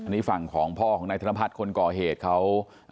นี่ฝั่งของพ่อของนายธนพัฒน์คนก่อเหตุเขา